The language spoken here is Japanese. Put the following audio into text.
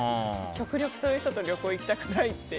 極力そういう人とは旅行行きたくないって。